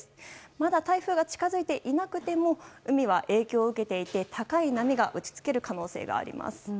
まだ台風が近づいていなくても海は影響を受けていて高い波が打ち付ける可能性があります。